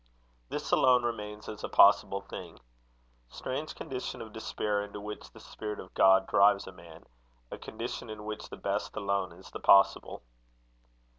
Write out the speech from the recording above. This alone remains as a possible thing. Strange condition of despair into which the Spirit of God drives a man a condition in which the Best alone is the Possible!